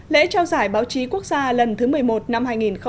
lễ trao giải báo chí quốc gia lần thứ một mươi một năm hai nghìn một mươi chín